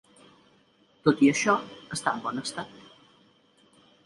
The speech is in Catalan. Tot i això, està en bon estat.